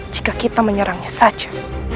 jika kita menyerangnya saja